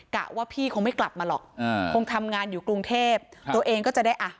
ะว่าพี่คงไม่กลับมาหรอกอ่าคงทำงานอยู่กรุงเทพตัวเองก็จะได้อ่ะ